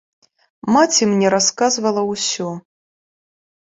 Маці мне расказвала ўсё.